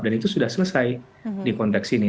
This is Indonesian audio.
dan itu sudah selesai di konteks ini